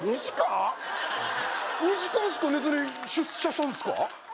２時間しか寝ずに出社したんすか？